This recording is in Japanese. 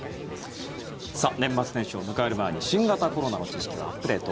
年末年始を迎える前に新型コロナの知識をアップデート